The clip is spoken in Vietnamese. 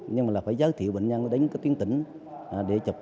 nhưng mà là phải giới thiệu bệnh nhân đến các tuyến tỉnh để chụp